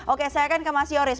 oke saya akan ke mas yoris